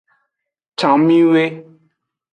Camiwi.